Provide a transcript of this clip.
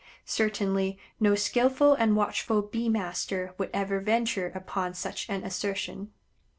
Certainly no skillful and watchful bee master would ever venture upon such an assertion.